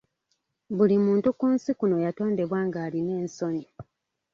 Buli muntu ku nsi kuno yatondebwa ngalina ensonyi.